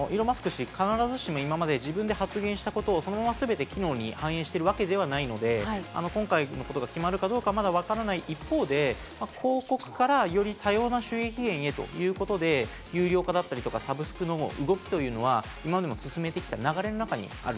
氏は必ずしも今まで自分で発言したことをそのまま機能に反映しているわけではないので、今回のことが決まるかどうか、まだわからない一方で、広告からより多様な収益源へということで、有料化だったりとかサブスクの動きというのは今までも進めてきた流れの中にある。